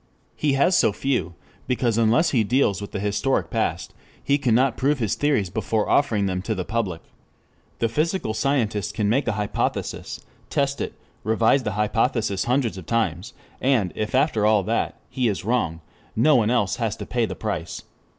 He has so few, because unless he deals with the historic past, he cannot prove his theories before offering them to the public. The physical scientist can make an hypothesis, test it, revise the hypothesis hundreds of times, and, if after all that, he is wrong, no one else has to pay the price.